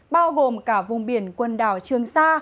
bao gồm cả vùng biển quần đảo trường sa